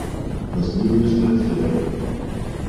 Раздвинулась портьера.